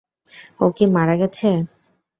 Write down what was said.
ও কি মারা গেছে?